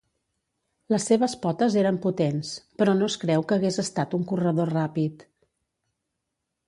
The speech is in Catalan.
Les seves potes eren potents, però no es creu que hagués estat un corredor ràpid.